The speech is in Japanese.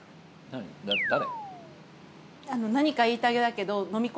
誰？